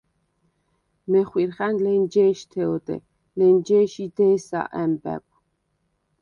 მეხვირხა̈ნ ლენჯე̄შთე ოდე, ლენჯე̄ში დე̄სა ა̈მბა̈გვ.